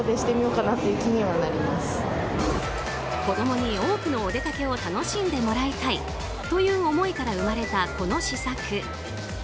子供に多くのお出掛けを楽しんでもらいたいという思いから生まれた、この施策。